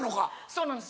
そうなんです